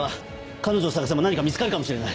彼女を捜せば何か見つかるかもしれない。